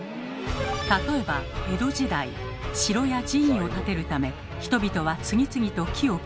例えば江戸時代城や寺院を建てるため人々は次々と木を切っていきました。